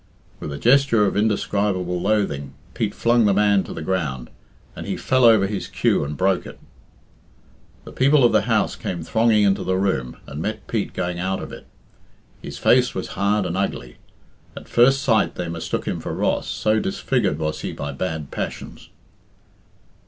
With a gesture of indescribable loathing, Pete flung the man to the ground, and he fell over his cue and broke it. The people of the house came thronging into the room, and met Pete going out of it. His face was hard and ugly. At first sight they mistook him for Ross, so disfigured was he by bad passions.